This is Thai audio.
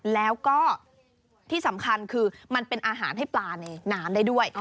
แล้วก็ที่สำคัญคือมันเป็นอาหารให้ปลาในน้ำได้ด้วย